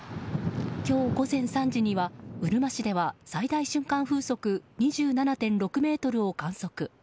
今日午前３時にはうるま市では最大瞬間風速２７．６メートルを観測。